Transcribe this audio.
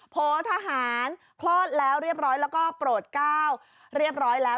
โพทหารคลอดแล้วเรียบร้อยแล้วก็โปรดก้าวเรียบร้อยแล้ว